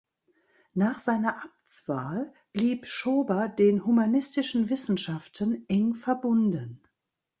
Nach seiner Abtswahl blieb Schober den humanistischen Wissenschaften eng verbunden.